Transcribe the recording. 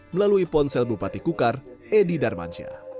melalui ponsel bupati kukar edi darmansyah